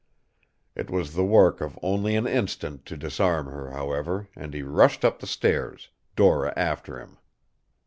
It was the work of only an instant to disarm her, however, and he rushed up the stairs, Dora after him.